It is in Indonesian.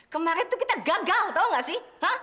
kemarin tuh kita gagal tau gak sih